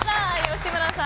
吉村さん